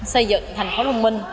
xây dựng thành phố thông minh